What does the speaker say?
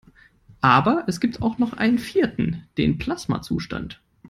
Aber es gibt auch noch einen vierten: Den Plasmazustand.